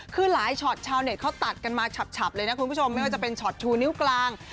คือหลายช็อตชาวเน็ตเขาตัดกันมาฉับเลยนะคุณผู้ชมไม่ว่าจะเป็นช็อตชูนิ้วกลาง